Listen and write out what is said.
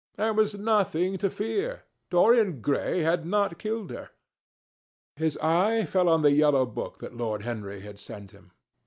There was nothing to fear. Dorian Gray had not killed her. His eye fell on the yellow book that Lord Henry had sent him.